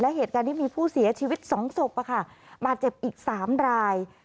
และเหตุการณ์ที่มีผู้เสียชีวิต๒ศพบาดเจ็บอีก๓ราย